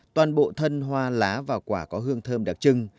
toàn bộ thân hoa lá và quả có hương thơm đặc trưng